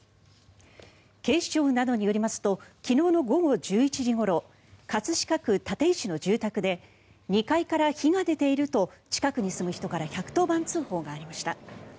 警視庁などによりますと昨日の午後１１時ごろ葛飾区立石の住宅で２階から火が出ていると近くに住む人から１１０番通報がありました。